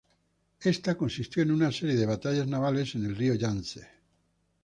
Esta consistió en una serie de batallas navales en el río Yangtze.